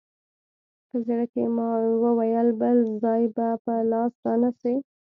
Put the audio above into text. په زړه کښې مې وويل بل ځاى به په لاس را نه سې.